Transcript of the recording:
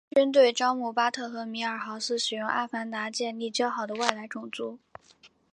军队招募巴特和米尔豪斯使用阿凡达建立交好的外来种族。